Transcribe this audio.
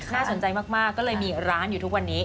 น่าสนใจมากก็เลยมีร้านอยู่ทุกวันนี้